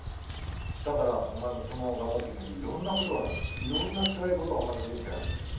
だから、お前もこのまま頑張っていな、いろんなことあるいろんなつらいことがお前の人生ある。